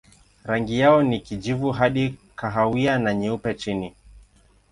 Rangi yao ni kijivu hadi kahawia na nyeupe chini.